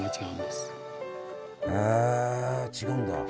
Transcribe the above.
へえ違うんだ。